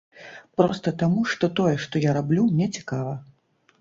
Проста таму, што тое, што я раблю, мне цікава.